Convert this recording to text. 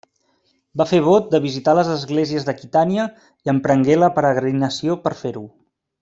Va fer vot de visitar les esglésies d'Aquitània i emprengué la peregrinació per fer-ho.